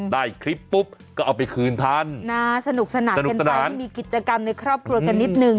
ได้คลิปปุ๊บก็เอาไปคืนท่านนะสนุกสนานกันไปที่มีกิจกรรมในครอบครัวกันนิดนึง